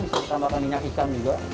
bisa ditambahkan minyak ikan juga